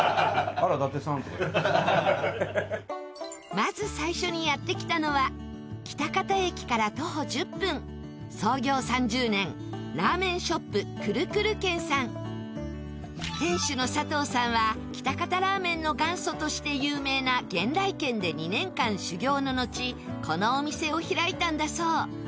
まず最初にやって来たのは喜多方駅から徒歩１０分店主の佐藤さんは喜多方ラーメンの元祖として有名な源来軒で２年間修業ののちこのお店を開いたんだそう。